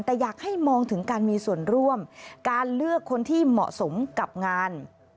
แต่อยากให้มองถึงการมีส่วนร่วมการเลือกคนที่เหมาะสมกับงาน